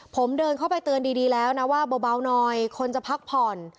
ผมเดินเข้าไปเตือนดีแล้วนะว่าเบาหน่อยคนจะพักผ่อน